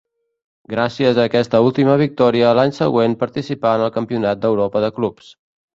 Gràcies a aquesta última victòria l'any següent participà en el Campionat d'Europa de clubs.